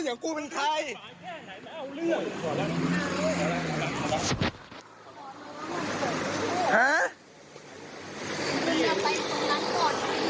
เหมือนกูเป็นใคร